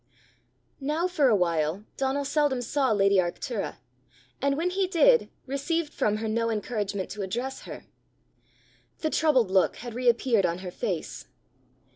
Now for a while, Donal seldom saw lady Arctura, and when he did, received from her no encouragement to address her. The troubled look had reappeared on her face.